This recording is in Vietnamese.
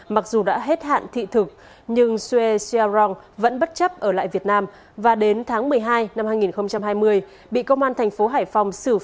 sau khi nộp phạt sue sia rong đã được gọi vào thành phố hải phòng